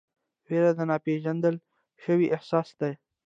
ویره د ناپېژندل شوي احساس ده.